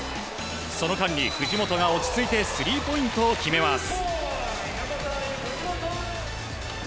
その間に藤本が落ち着いてスリーポイントを決めます。